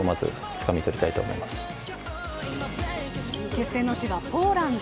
決戦の地はポーランド。